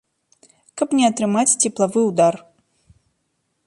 Каб не атрымаць цеплавы ўдар.